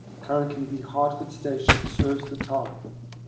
Currently, the Hartford station serves the town.